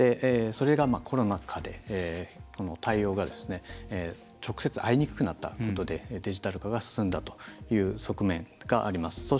それがコロナ禍で対応が直接、会いにくくなったことでデジタル化が進んだという側面があります。